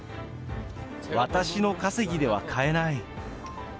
私の稼ぎでは買えない。